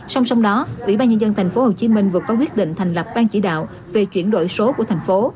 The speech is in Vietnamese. song song đó ủy ban nhân dân tp hcm vừa có quyết định thành lập ban chỉ đạo về chuyển đổi số của thành phố